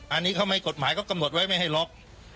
อันนี้เขาไม่กฎหมายเขากำหนดไว้ไม่ให้ล็อก